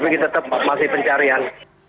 tapi tetap masih pencarian